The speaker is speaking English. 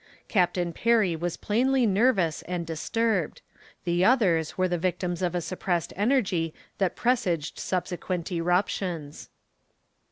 Captain Perry was plainly nervous and disturbed. The others were the victims of a suppressed energy that presaged subsequent eruptions.